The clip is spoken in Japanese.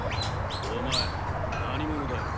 お前何者だよ？